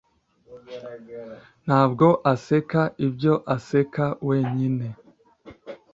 ntabwo aseka ibyo aseka wenyine.